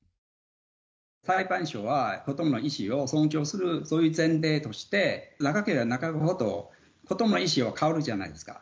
裁判所は、子どもの意思を尊重するのを前提として、長ければ長いほど子どもの意思は変わるじゃないですか。